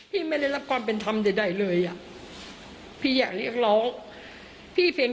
พี่ไม่เคยเซ็นไม่ว่าจะก่อนหน้านั้น